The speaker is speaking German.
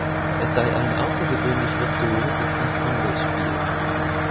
Es sei ein außergewöhnlich virtuoses Ensemblespiel.